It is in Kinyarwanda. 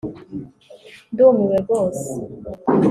Ndumiwe rwose